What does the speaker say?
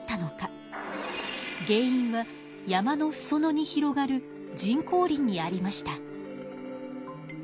原因は山のすそ野に広がる人工林にありました。